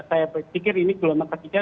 saya pikir ini gelombang ketiga